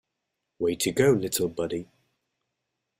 Way to go little buddy!.